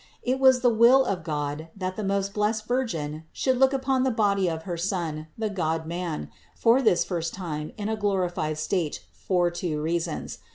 It was the will of God that the most blessed Virgin should look upon the body of her Son, the God man, for this first time in a glorified state for two reasons.